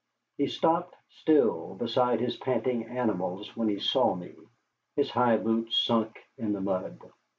He stopped still beside his panting animals when he saw me, his high boots sunk in the mud.